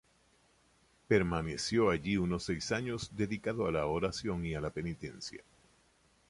Permaneció allí unos seis años, dedicado a la oración y a la penitencia.